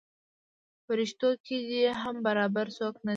پریشتو کې دې هم برابر څوک نه دی.